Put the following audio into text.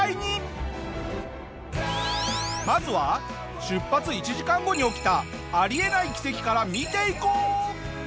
まずは出発１時間後に起きたあり得ない奇跡から見ていこう！